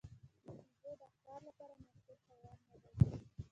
بیزو د ښکار لپاره مناسب حیوان نه دی.